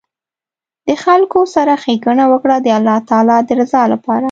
د خلکو سره ښیګڼه وکړه د الله تعالي د رضا لپاره